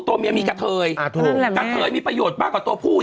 ตัวเมียมีกะเทยอ่าถูกกะเทยมีประโยชน์มากกว่าตัวผู้อีกน่ะ